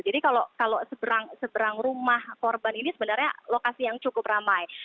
jadi kalau seberang rumah korban ini sebenarnya lokasi yang cukup ramai